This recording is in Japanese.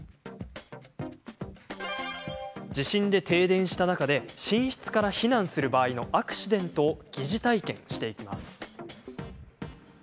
地震で停電した中で寝室から避難する場合のアクシデントを疑似体験していきます。